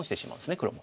黒も。